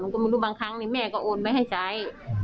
ผมไม่รู้บางครั้งแม่โอนไปให้ไส